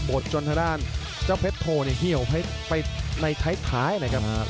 ดจนทางด้านเจ้าเพชรโทเหี่ยวไปในท้ายนะครับ